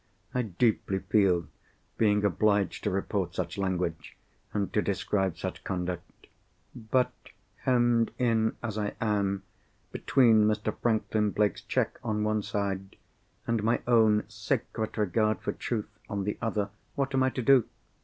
I deeply feel being obliged to report such language, and to describe such conduct. But, hemmed in, as I am, between Mr. Franklin Blake's cheque on one side and my own sacred regard for truth on the other, what am I to do?